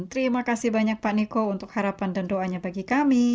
terima kasih banyak pak niko untuk harapan dan doanya bagi kami